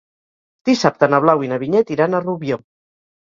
Dissabte na Blau i na Vinyet iran a Rubió.